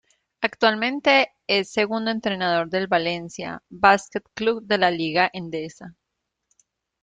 Actualmente es segundo entrenador del Valencia Basket Club de la Liga Endesa.